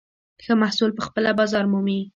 ښه محصول پخپله بازار مومي.